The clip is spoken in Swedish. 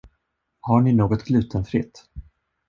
Har ni något glutenfritt?